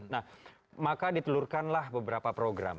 nah maka ditelurkanlah beberapa program